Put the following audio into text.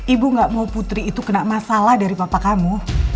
ibu gak mau putri itu kena masalah dari bapak kamu